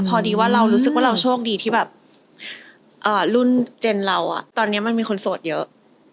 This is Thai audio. พอดีว่าเรารู้สึกว่าเราโชคดีที่แบบรุ่นเจนเราตอนนี้มันมีคนโสดเยอะ